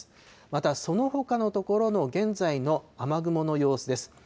また、そのほかの所の現在の雨雲の様子です。